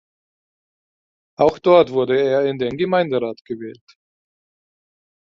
Auch dort wurde er in den Gemeinderat gewählt.